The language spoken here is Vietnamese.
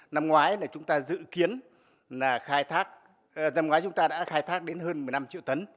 năm ngoái là chúng ta dự kiến là khai thác năm ngoái chúng ta đã khai thác đến hơn một mươi năm triệu tấn